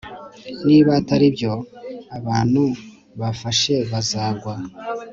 niba atari byo, abantu bafashe bazagwa